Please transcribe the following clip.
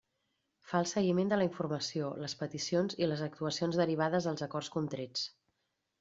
Fa el seguiment de la informació, les peticions i les actuacions derivades dels acords contrets.